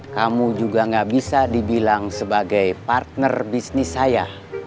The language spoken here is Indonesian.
kamu juga gak bisa dibilang sebagai partner bisnis saya